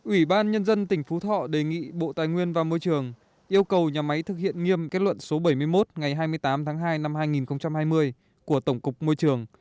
ủy ban nhân dân tỉnh phú thọ đề nghị bộ tài nguyên và môi trường yêu cầu nhà máy thực hiện nghiêm kết luận số bảy mươi một ngày hai mươi tám tháng hai năm hai nghìn hai mươi của tổng cục môi trường